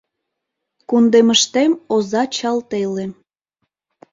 Кундемыштем оза чал теле.